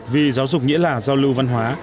vì giáo dục nghĩa là giao lưu văn hóa